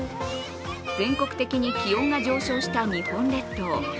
全国的に気温が上昇した日本列島。